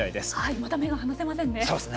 また目が離せませんね。